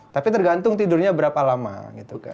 tapi tergantung tidurnya berapa lama gitu kan